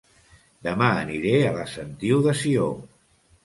Dema aniré a La Sentiu de Sió